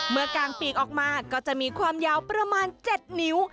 กลางปีกออกมาก็จะมีความยาวประมาณ๗นิ้ว